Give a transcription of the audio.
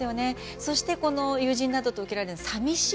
そして、友人など受けられず寂しい。